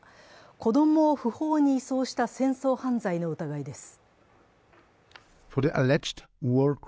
子どもを不法に移送した戦争犯罪の疑いです。